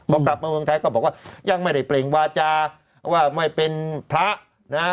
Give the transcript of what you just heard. พอกลับมาเมืองไทยก็บอกว่ายังไม่ได้เปล่งวาจาว่าไม่เป็นพระนะ